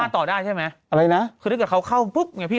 ถ้าแกเข้าในรายการ